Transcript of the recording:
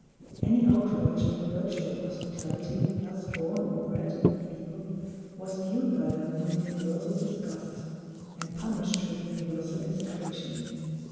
Any outrage on the virtue of hospitality, thus born and bred in the people, was viewed by them with universal disgust, and punished with universal execration.